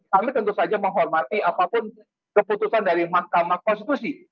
kami tentu saja menghormati apapun keputusan dari mahkamah konstitusi